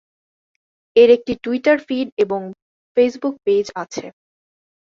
এর একটি Twitter feed এবং ফেসবুক পেজ আছে।